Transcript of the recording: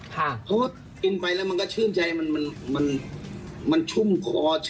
เพราะว่ากินไปแล้วมันก็ชื่นใจมันชุ่มคอ